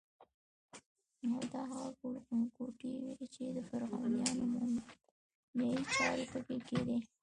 او دا هغه کوټې وې چې د فرعونیانو مومیایي چارې پکې کېدې.